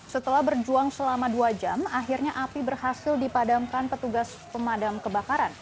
setelah berjuang selama dua jam akhirnya api berhasil dipadamkan petugas pemadam kebakaran